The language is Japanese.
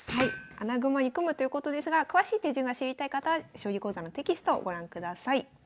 穴熊に組むということですが詳しい手順が知りたい方は将棋講座のテキストをご覧ください。